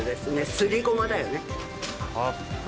すりごまだよね。